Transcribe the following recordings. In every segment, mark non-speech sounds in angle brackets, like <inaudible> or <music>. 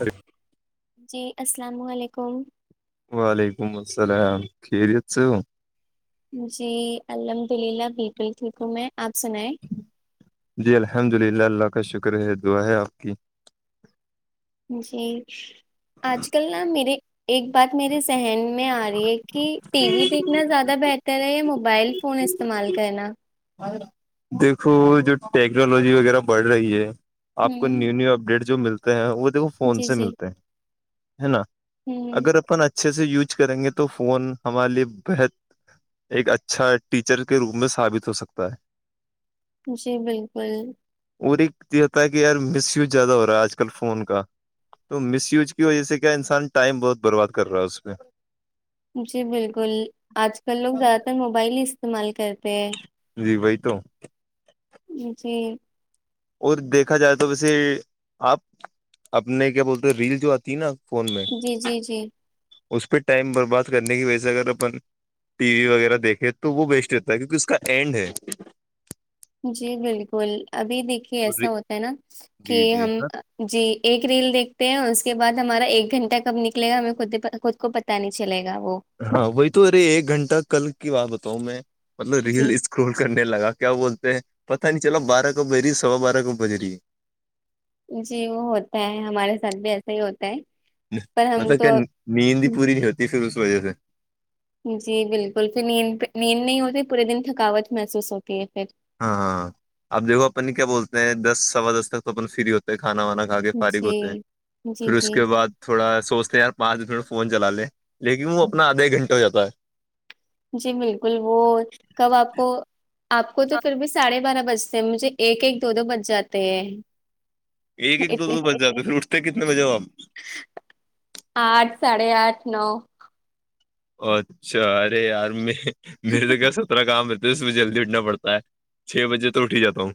ار جی السلام علیکم وعلیکم السلام خیریت سے ہو جی الحمد للہ ب بل ٹھیک ہوں میں آپ سنیں جی الحمد للہ اللہ کا شکر ہے دعا ہے آپ کی جے آج کل نہا میرے ایک بات میرے سہن میں آ رہی ہے کہ ٹی وی دیکھنا زیادہ بہتر ہے موبائل فون مالک ہے نا دیکھو جو ٹیکنالوجی وغیرہ بڑھ رہی ہے آپ کو ہوں نیو نیو اپڈیٹس جو ملتے ہیں وہ فون جی سے جی ملتے ہیں ہے نا ہوں اگر اپنچ اچھے سے یوز کریں گے تو فون ہمارے لیے بحد ایک اچھا ٹیچر کے روپ میں ثابت ہو سکتا ب جی بالکل اور ایک یہ ہوتا ہے کہ یار مس یوز زیادہ ہو رہا ہے آج کل فون کا تو مس یوج کی وجہ سے کیا انسان ٹائم بہت برباد کر رہا ہے اس پہ جی بالکل آج کل لوگ زیادہ تر موبائل ہی استعمال کرتے جی وہی تو جی ج اور دیکھا جائے تو ویسے آپ اپنے کیا بولتے ریل جو آتی ہے نا فون میں جی جی جی اس پہ ٹائم برباد کرنے کی وجہ سے اگر اپن ٹی وی وغیرہ دیکھیں تو وہ بیسٹ رہتا ہے کیونکہ اس کا اینڈ ہے جی بالکل ابھی دیکھیے ایسا ہوتا ہے نا کہ جی جی ہم ہاں جی ایک ریل دیکھتے ہیں اس کے بعد ہمارا ایک گھنٹہ کب نکلے گا ہمیں خ خود کو پتا نہیں چل گا وہ ہاں وہی تو ارے ایک گھنٹہ کل کی بات ہو تو میں مطلب جی ریل اسکرول کر نے لگا کیا بولتے ہیں پتا نہیں چلاو بارہ کو بج رہی سوا بارہ کو بج رہی جی وہ ہوتا ہے ہمارے ساتھ بھی ایسا ہی ہوتا ہے پر ہم ہوتا کیا تو نیندی پوری نہیں ہوتی پھر وجہ سے جی بالکل پھر نیند پ نیند نہیں ہوتی پورے دن تھکاوٹ محسوس ہوتی ہے پھر ہاں ہاں آپ دیکھو اپن کیا بولتے ہیں دس سوا دس تک تو اپن فری ہوتے ہے کھانا وانا کھا کے فارغ ہوتے ہیں جی جی پھر اس جی کے بعد تھوڑاا سوچتے ہیں یار پانچ دس میں فون چلا لیں لیکن وہ اپنا آدھا ایک گھنٹہ ہو جاتا ہے جی بالکل وہ کب آپ کو آپ کو تو پھر بھی ساڑھے بارہ بجتے ہیں مجھے ایک ایک دو دو بج جاتے ہیں ایک ایک دو اتنے دو بج جات پھر اٹھتے کتنے بجے ہوپ ساھے آٹھ نو اچھا ارے یار میں میرے تو کیاسےترا کام توس بجے جلدی اٹھنا پڑتا ہے چھ بجے تو اٹھ ہی جاتا ہوں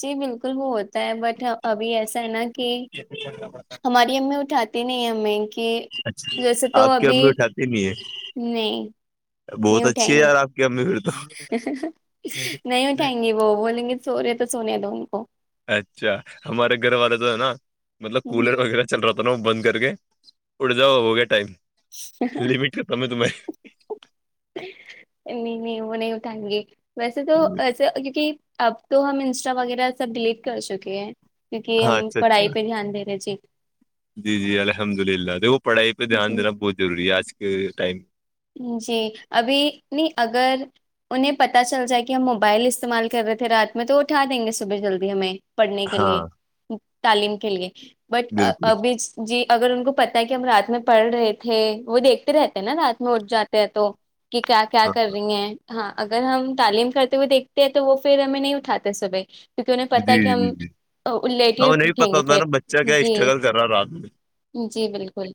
جی بالکل وہ ہوتا ہے بٹ ابھی ایسا ہے نا کہ ہماری امی اٹھاتی دنی میں اچھا آپ کے ہم لوگ اٹھاتے بھی ہیں نہیں نہیں ہے اٹھائیں گے یار آپ کی امی پھر تو نہیں اٹھائیں گے وہ بولیں گے سوورے تو سونے دوں گی اچھا ہمارے گھر والے تو ہے نا مطلب کولر وغیرہ چل رہا تھا ب بند کر کے اٹ جاؤ ہو گیا ٹائم لمیٹ کر ت میں ت باری <inaudible> <inaudible> ویسے تو تمہیں ایسے کیونکہ اب تو ہم انسٹا وغیرہ سب ڈیلیٹ کر چکے ہیں کیونکہ ہاں ہم اچھا پڑھائی اچھا پہ دھیان دے رہے جی جی جی الحمد للہ دیکھو پڑھائی پہ جی دھیانینا بہت ضروری ہے آج ٹائم جی ابھی نہیں اگر انہیں پتا چل جائے کہ ہم موبائل استعمال کر رہے تھے رات میں تو اٹھا دیں گے صبح جلدی ہمیں پڑھنے کے ہاں لیے تعلیم کے گے بٹ بالکل ابھی جی اگر ان کو پت ہے کہ ہم رات میں پڑھ رہے تھے وہ دیکھتے رہتے نا رات ہوٹ جاتے ہیں تو کہ کیا کیا ہاں کر رہی ہیں ہاں اگر ہم تعلیم کرتے ہوئے دیکھتے ہیں تو وہ پھر ہمیں نہیں اٹھاتے صبح کیونکہ انہیں جی پتا کہ ہم جی جی ل ہاں کے انہیں بھی اٹھیں پتا گے ہوتا ہے پھر نا بچہ کیا جی اسٹرگل کر رہا ہے رات میں جی بالکل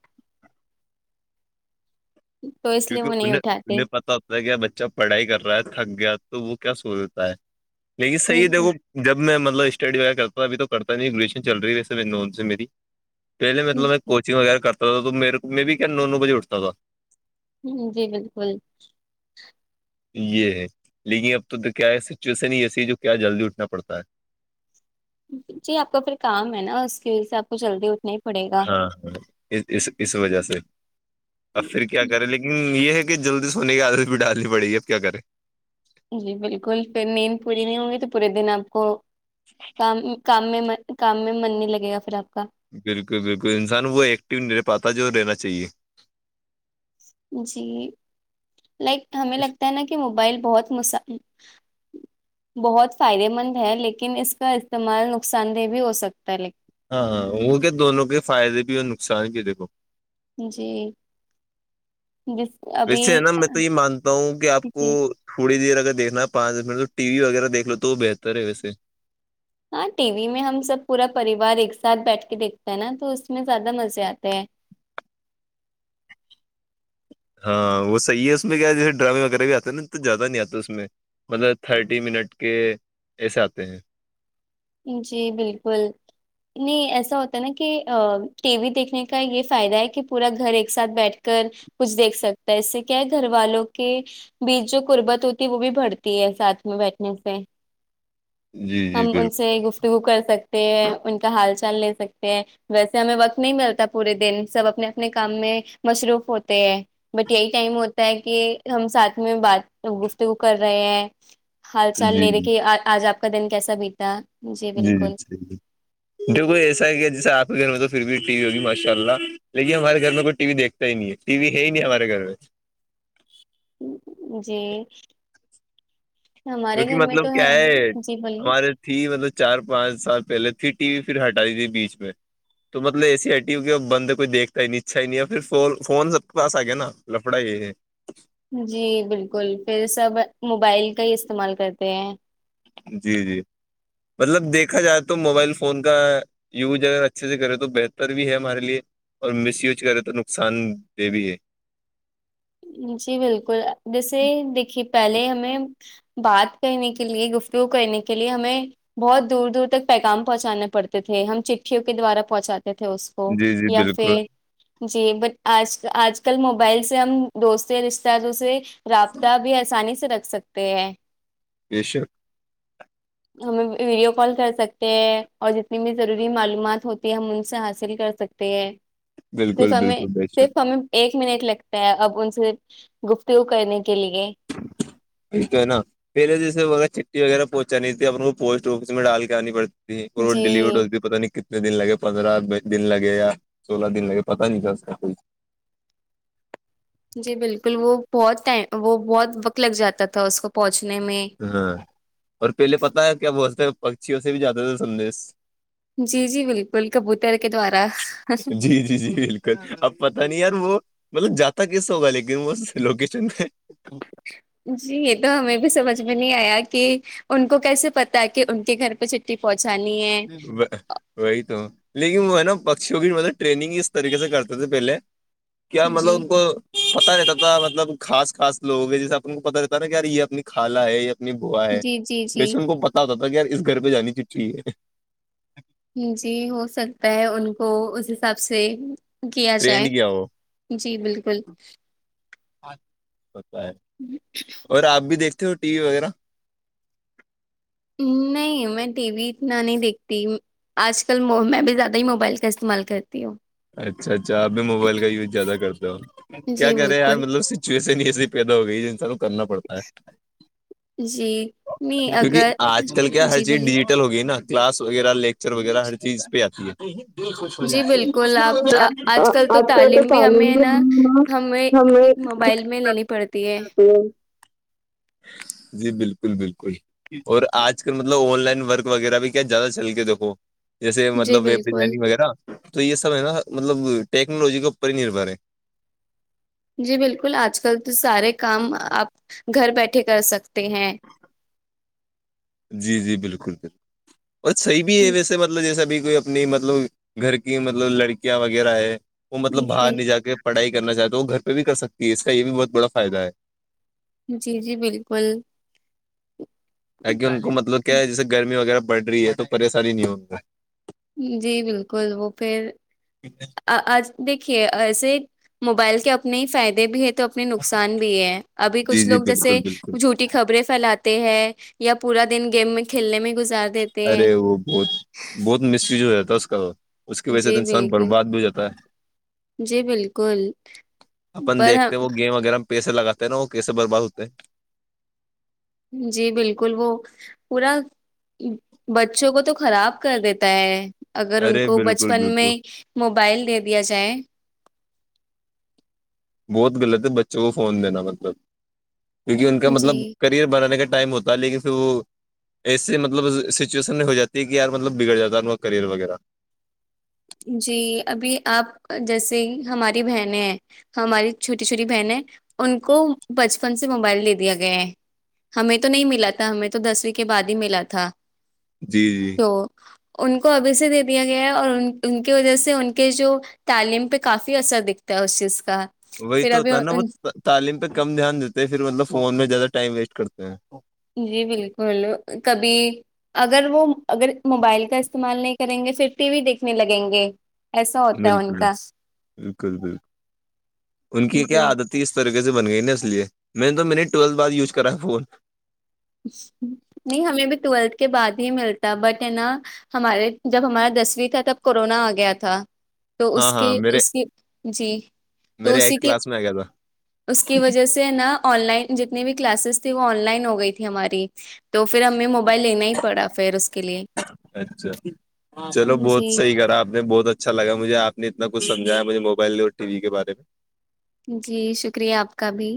تو اس لیے کیونکہ وہ نہیں انہیں اٹھاتی انہیں پتا ہوتا ہے کیا بچے جب پڑھائی کر رہا ہے تھک گیا تو وہ کیا سوچتا ہے لیکن صحیح دیکھو جب میں مط اسٹڈی وغیرہ کرتا تھا اب تو کرتا نہیں گلیشن چل رہی ویسے سے میری پہلے مطلب میں کوچنگ وغیرہ کرتا تو میر میں بھی کیا نو نو بجے اٹھتا تھا ہ جی بالکل یہ ہے لیکن اب تو تو کیا سچویشن ہی ایسی ہے جو کیا جلدی اٹھنا پڑتا ہے جی آپ کا پھر کام ہے نا اس کی وجہ سے آپ کو جلدی اتنے ہاں ہاں اس اس اس وجہ سے اب پھر کیا کریں لیکن یہ ہے جلدی سونے کی عادت بھی ڈالنی پڑی اب کیا کریں جی بالکل پھر نیند پوری نہیں ہوں گی تو پورے دن آپ کو کام کام میں میں کام میں من نہیں لگے گا پھر آپ کو بالکل بالکل انسان وہ ایکٹیو نہیں رہ پاتا جو رہنا چ چاہے جی لائک ہمیں لگتا ہے نا کہ موبائل بہت مس بہت فائدے مند ہے لیکن اس کا استعمال نقصان دہ بھی ہو سکتا ہے لیکن ہاںاں وہ کہ دونوں کے فائدے بھی اور نقصان بھی دیکھو جی جس ابھی ویسے ہے نا میں تو یہ مانتا ہوں کہ آپ کو جی، تھوڑی دیر دیکھنا پانچ دس منٹ تو ٹی وی وغیرہ دیکھ لو تو وہ بہتر ہے ویسے ہاں ٹی وی میں ہم سب پورا پریوار ایک ساتھ بیٹھ کے دیکھتے ہے نا تو اس میں زیادہ مزے آتے ہیں ہاں وہ صحیح ہے اس میں کیا جیسے ڈرامے وغیرہ بھی آتے نا تو زیادہ نہیں آتا اس میں مطلب تھرٹی منٹ کے ایسے آتے ہیں جی بالکل نہیں ایسا ہوتا نا کہ ٹی وی دیکھنے کا یہ فائدہ ہے کہ پورا گھر ایک ساتھ بیٹھ کر کچھ دیکھ سکتا ہے اس سے کیا ہے گھر والوں کے بیچ جو قربت ہوتی ہے وہ بھی بڑھتی ہے ساتھ میں بیٹھنے سے جی جی ہم ان بالکل سے گفتگو کر سکتے ان کا حال چال لے سکتے ہیں ویسے ہمیں وقت نہیں ملتا پورے دن سب اپنے اپنے کام میں مصروف ہوتے ہیں بٹ یہی ٹائم ہوتا ہے کہ ہم ساتھ میں بات گفتگو کر رہے ہیں حال چال جی لے رہے جی کہ آج آپ ک دن کیسا بیتا جی جی ج ج جو کوئی ایسا ہے کیا جیسے آپ کے گھر میں تو پھر بھی <inaudible> جی ہمارے کیونکہ گھر میں مطلب تو کیا ہے جی بولیے ہماراری تھی مطلب چار پانچ سال پہلے تھی ٹی وی پھر ہٹا دی تھی بیچ پہ تو مطلب اے سی آئی ٹی و کہ بند کوئی دیکھتا ہی نہیں اچھا ہی نہیں ہے پھر فون سب کے پاس آ گیا نا لفڑا یہ ہے جی بالکل پھر سب موبائل کا ہی استعمال کرتے ہیں جی جی مطلب دیکھا جائے تو موبائل فون کا یوز اگر اچھے سے کرے تو بہتر بھی ہے ہمارے لیے اور مس یوز کرے تو نقصان دہ بھی ہے جی بالکل جیسے دیکھی پہلے ہمیں بات کہنے کے لیے گفتو کرنے کے لیے ہمیں بہت دور دور تک پیغام پہنچانا پڑتے تھے ہم چٹھیوں کے دوارا پہنچاتے تھے اس کو جی جی یا بالکل پھر جی بٹ آج آج کل موبائل سے ہم دوستتے رشتے توے رابطہ بھی آسانی سے سے رکھ سکتے ہیں ب شک ہم ویڈیو کال کر سکتے ہیں اور جتنی بھی ضروری معلومات ہوتی ہے ہم ان سے حاصل کر سکتے ہیں صرف بالکل ہمیں بالکل بے شک صرف ہمیں ایک منٹ لگتا ہے اب ان سے گفتگو کرنے کی <inaudible> وغیرہ پہنچانی تھی اپنے کو پوسٹ آفس میں ڈال کے آنی پڑتی جی ڈیلیڈ پتا نہیں کتنی دن لگے پندرہس دن لگے یا سولہ دن لگے پتا نہیں کیا اس کا کو جی بالکل وہ بہت ٹم وہ بہت وقت لگ جاتا تھا اس کو پہنچ ہاں اور پہلے پتا ہے کیا ب پکچیوں سے بھی جاتے تھے سندیش جی جی بالکل کبوتر کے دوارا جی جی جی بالکل اب پتہ نہیں یار وہ مطلب جاتا کیسا ہوگا لیکن وہ لوکیشن پہ <inaudible> ان کو کیسے پتا ہے کہ ان کے گھر پہ چھٹی پہنچی <inaudible> لیکن وہ ہے نا پکچیوں کی مطلب ٹریننگ اس طریقے سے کرتے تھے پہلے کیا جی مطلب ان کو پتا رہتا تھا مطلب خاص خاص لوگ گے جیسے آپ کو پتا رہتا نا کہ یار یہ اپنی خالہ ہے نی بوا ہے جی جی ویسے ان جی کو بتاتا بیر اس گھر پہ جانی چٹ ہے جی ہو سکتا ہے ان کو اس حساب سے کیا ٹرینڈ جائے کیا ہو جی بالکل اچھ ہوتا ہے اور آپ بھی دیکھ ہو ٹی وی وغیرہ نہیں میں ٹی وی اتنا نہیں دیکھتی آج کل میں بھی زیادہ ہی موبائل کا استعمال کرتی ہوں اچھا اچھا اب بھی موبائل کا یوز زیادہ کرتا ہوں کیا جی کر رہے یار بالکل ملب سچویش اس پیدا ہو گئی ج س کرنا پڑتا ہے جی نہیں کیونکہ اگر آج کل کیا ہر جی چیز بولیے ڈیجیٹل ہوگی نا کلاس وغیرہ لیکچر وغیرہ ہر چیز پہ آتی ہے د خوش ہو جی جاتی بالکل آپ آ- آج کل تو تعلیم ہمیں تعالم ہے بھی نا ہمیں موبائل میں لینی پڑتی ہے جی بالکل بکل بالکل اور آج کل مطلب آن لائن ورک وغیرہ بھی کیا زیادہ چل کے دیکو جیسے جی مطلب ویب بالکل ڈیزائننگ وغیرہ تو یہ سب ہے نا مطلب ٹیکنالوجی کے اوپر ہی نربھر ہے جی بالکل آج کل تو سارے کام آپ گھر بیٹھے کر سکتے ہیں جی جی بالکل بالکل ب صحیح ہے ویسےطلب جیسا بھی کوئی اپنی مطلب گھر کی مطلب لڑکیاں وغیرہ ہے وہ مطلب جی باہر نہیں جا کے پڑھائی کرنا چاہتے گھر پہ بھی کر سکتی ہے اس کا یہ بھی بہت بڑا فائدہ ہے جی جی بالکل ت کہہ ان کو مطلب کیا ہے جیس گرمی وغیرہ بڑھ رہی ہے تو پریشانی نہیں ہووںا جی بالکل وہ پھر آ آج دیکھیے ایسے موبائل کے اپنے ہی فائدے بھی تو اپنے نقصان بھی ہے ابھی جی کچھ جی لوگ بالکل جیسے بالکل جھوٹی خبریں پھیلاتے ہیں یا پورا دن گیم میں کھیلنے میں گزارتے ارے وہ بہت بہت مس یوز ہو تھا اس تو اس کی وجہ سے جی انسان بالکل برباد بھی ہو جاتا ہے جی بالکل اپن پر دیکھتے ہیں وہ گیم وغیرہ میں پیسے لگاتے ہیں نا وہ کییسے برباد ہوتے ہیں جی بالکل وہ پورا بچوں کو تو خراب کر دیتا ہے اگر ان ارے کو بالکل بچپن میں بالکل موبائل دے دیا جائے بہت غلط ہے بچوں کو فون دینا مطلب کیک ان کا مطلب جی کریئر بنانے کا ٹائم ہوتا ہے لیکن پھر وہ ایس مطلب سچویشن میں ہو جاتی کہ یار مطلب بگڑ جاتا ہے ان کا کرئر وغیرہ جی ابھی آپ جیسے ہماری بہنیں ہیں ہماری چھوٹی چھوٹی بہنیں ان کو بچپن سے موبائل لے دیا گیا ہے ہمیں تو نہیں ملا تھا ہمیں تو دسویں کے بعد ہی ملا تھا جی جی تو ان کو ابھی سے دے دیا گیا ہے اور ان ان کی وجہ سے ان کے جو تعلیم پہ کافی اثر دکھتا ہے اس چیز کا وہی پھر تو ابھی ہوتا ہے نا وہ تعلیم پہ کم دھیان دیتے ہیں پھر مطلب فون میں زیادہ ٹائم ویسٹ کرتے ہیں جی بالکل کبھی اگر وہ اگر موبائل کا استعمال نہیں کریں گے پھر ٹی وی دیکھنے لگیں گے ایسا ہوتا ہے ان بالکل کا بالکل بالکل ان کی جی کیا عادت تھی اس طریقے سے بن گئی نا اس لیے میں نے تو میں نے ٹویلھ بع وز کرا ہے فون سے نہیں ہمیں بھی ٹویلتھ کے بعد ہی ملتا بٹ ہے نا ہمارے جب ہمارا دسویں تھا تب کورونا آ گیا تھا تو ہاں اس ہاں کے میرے اس کی جی تو میرے اسی ایٹ کے کلاس میں آ گیا اس کی وجہ سے نا آن لائن جتنے بھی کلاس وہ آن لائن ہو گئی تہی ہماری تو پھر ہمیں موبائل لینا ہی پڑا پھر اس کے لیے اچھا چلو جی بہت صحیح کرا آپ نے بہت اچھا لگا مجھے آپ نے اتنا کچھ سمجھ ج ہے مجھے موبائل اور ٹی وی کے بارے میں جی شکریہ آپ کا بھی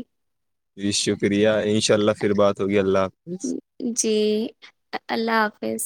جی شکریہ ان شاء اللہ پھر بات ہوگی اللہ حافظ جی اللہ حافظ